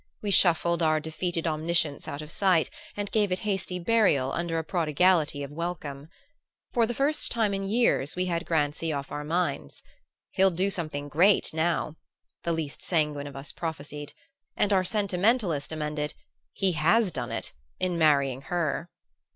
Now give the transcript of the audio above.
We shuffled our defeated omniscience out of sight and gave it hasty burial under a prodigality of welcome. For the first time in years we had Grancy off our minds. "He'll do something great now!" the least sanguine of us prophesied; and our sentimentalist emended: "He has done it in marrying her!"